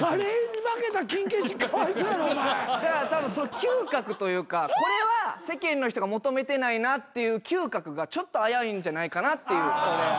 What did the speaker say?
だからたぶんその嗅覚というかこれは世間の人が求めてないなっていう嗅覚がちょっと危ういんじゃないかなっていう。